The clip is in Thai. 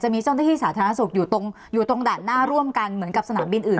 มีเจ้าหน้าที่สาธารณสุขอยู่ตรงด่านหน้าร่วมกันเหมือนกับสนามบินอื่น